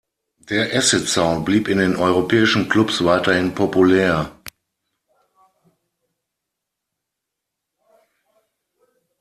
Der Acid-Sound blieb in den europäischen Clubs weiterhin populär.